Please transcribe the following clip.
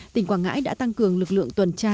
tỉnh quảng ngãi đã tăng cường lực lượng tuần tra